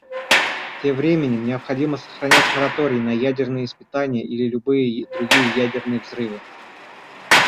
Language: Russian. Тем временем необходимо сохранять мораторий на ядерные испытания или любые другие ядерные взрывы.